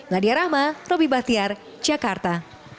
nadia rahma robby bahtiar jakarta